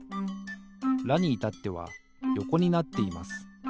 「ラ」にいたってはよこになっています。